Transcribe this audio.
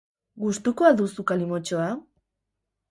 Gustuko al duzu kalimotxoa?